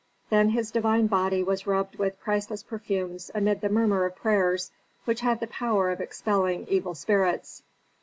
Then his divine body was rubbed with priceless perfumes amid the murmur of prayers, which had the power of expelling evil spirits.